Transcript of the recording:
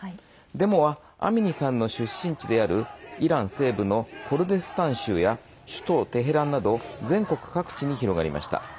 デモはアミニさんの出身地であるイラン西部のコルデスタン州や首都テヘランなど全国各地に広がりました。